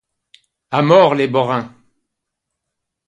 A mort, les Borains!